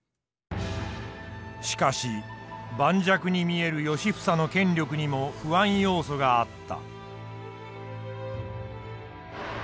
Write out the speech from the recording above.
しかし盤石に見える良房の権力にも不安要素があった。